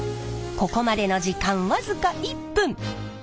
ここまでの時間僅か１分！